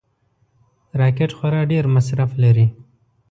راکټ خورا ډېر مصرف لري